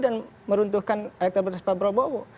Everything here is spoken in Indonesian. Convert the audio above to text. dan meruntuhkan elektor batas pak prabowo